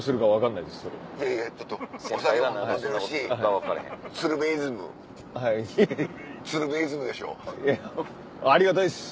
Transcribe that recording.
いやありがたいです。